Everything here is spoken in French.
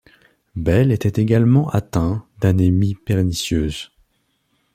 Bell était également atteint d'anémie pernicieuse.